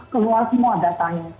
keluar semua datanya